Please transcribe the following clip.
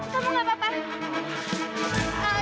kamu gak apa apa